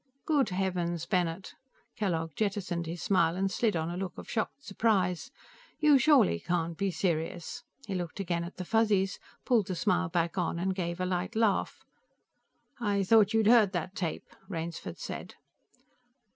"Good heavens, Bennett!" Kellogg jettisoned his smile and slid on a look of shocked surprise. "You surely can't be serious?" He looked again at the Fuzzies, pulled the smile back on and gave a light laugh. "I thought you'd heard that tape," Rainsford said.